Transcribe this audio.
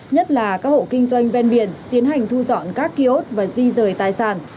nhất là các hộ kinh doanh ven biển tiến hành thu dọn các kiosk và di rời tài sản